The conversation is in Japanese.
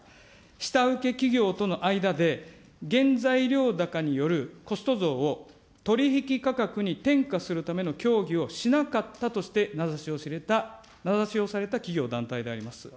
下請け企業との間で、原材料高によるコスト増を取り引き価格に転嫁するための協議をしなかったとして名指しをされた企業、団体であります。